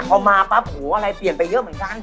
พอมาปั๊บหูอะไรเปลี่ยนไปเยอะเหมือนกัน